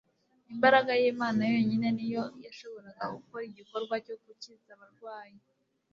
Imbaraga y'Imana yonyine ni yo yashoboraga gukora igikorwa cyo gukiza abarwayi